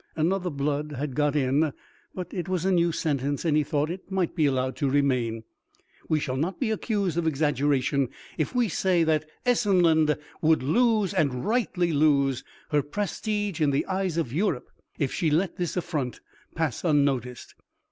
Another "blood" had got in, but it was a new sentence and he thought it might be allowed to remain. "We shall not be accused of exaggeration if we say that Essenland would lose, and rightly lose, her prestige in the eyes of Europe if she let this affront pass unnoticed.